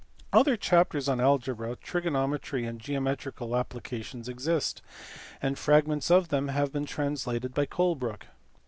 Other chapters on algebra, trigonometry, and geometrical applications exist, and fragments of them have been translated by Colebrooke.